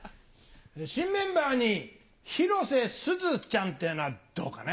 新メンバーに広瀬すずちゃんってのはどうかね？